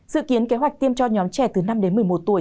dự kiến kế hoạch tiêm cho nhóm trẻ từ năm đến một mươi một tuổi